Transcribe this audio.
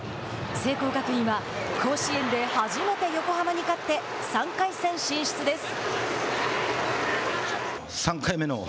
聖光学院は甲子園で初めて横浜に勝って３回戦進出です。